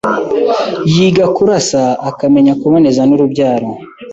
Yiga kurasa, akamenya kuboneza nurubyaro